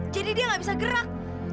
jadi dia gak bisa gerak